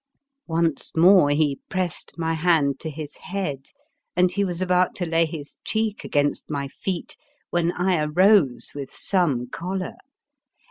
Once more he pressed my hand to his head, and he was about to lay his cheek against my feet, when I arose with some choler.